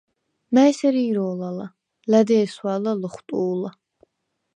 მა̈ჲ ესერ ირო̄ლ ალა̄, ლა̈დი ესვა̄ლა ლოხვტუ̄ლა: